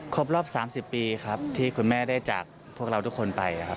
ครบรอบ๓๐ปีครับที่คุณแม่ได้จากพวกเราทุกคนไปครับ